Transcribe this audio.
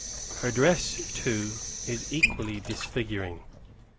Her dress, too, is equally disfiguring.